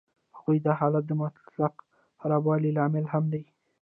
هغوی د حالت د مطلق خرابوالي لامل هم دي